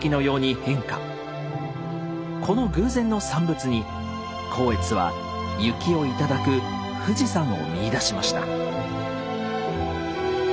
この偶然の産物に光悦は雪をいただく富士山を見いだしました。